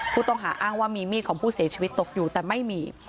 ผู้ต้องหาอ้างว่ามีมีดของผู้เสียชีวิตตกอยู่แต่ไม่มี